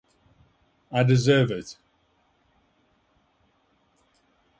I deserve it.